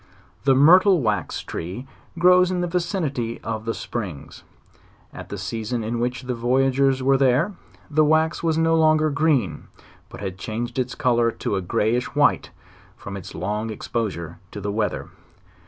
The myrtle wax tree grows in the vicinity of the springs. At the season in which the voyagers were .there, the wax was no longer green, but had changed its color to a greyish white, from its long exposure to the weather.